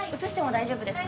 大丈夫です。